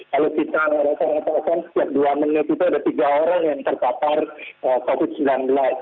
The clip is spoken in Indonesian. kalau kita rata ratakan setiap dua menit itu ada tiga orang yang terpapar covid sembilan belas